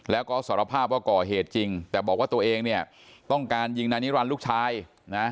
แล้วก็สารภาพว่าก่อเหตุจริงแต่บอกว่าตัวเองเนี่ยต้องการยิงนายนิรันดิ์ลูกชายนะ